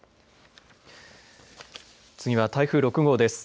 次は台風６号です。